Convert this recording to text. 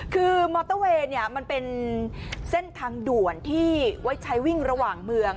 คือมอเตอร์เวย์มันเป็นเส้นทางด่วนที่ไว้ใช้วิ่งระหว่างเมือง